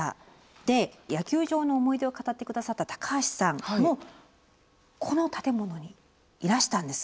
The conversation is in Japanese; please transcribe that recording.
で野球場の思い出を語って下さった橋さんもこの建物にいらしたんです。